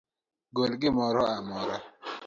Gol gimoro amora